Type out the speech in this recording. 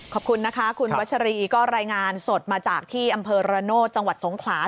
ขอบคุณนะคะคุณวัชรีก็รายงานสดมาจากที่อำเภอระโนธจังหวัดสงขลา